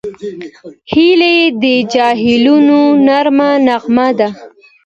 هیلۍ د جهیلونو نرمه نغمه ده